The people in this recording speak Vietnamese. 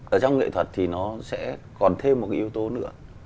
ở trong nghệ thuật thì nó sẽ còn thêm một cái yếu tố nữa